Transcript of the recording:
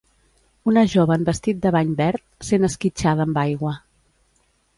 Una jove en vestit de bany verd sent esquitxada amb aigua.